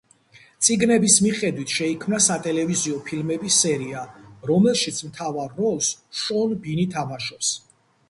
წიგნების მიხედვით შეიქმნა სატელევიზიო ფილმების სერია, რომელშიც მთავარ როლს შონ ბინი თამაშობს.